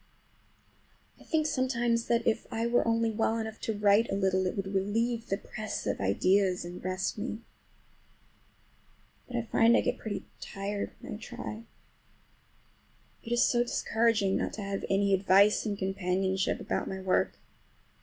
I think sometimes that if I were only well enough to write a little it would relieve the press of ideas and rest me. But I find I get pretty tired when I try. It is so discouraging not to have any advice and companionship about my work.